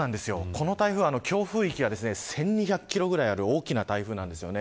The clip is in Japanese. この台風は暴風域が１２００キロくらいある大きな台風なんですよね。